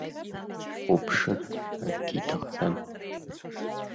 Уԥшы, акгьы иҭахӡам.